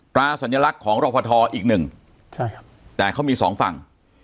ตราสัญลักษณ์ของรพทออีกหนึ่งแต่เขามี๒ฝั่ง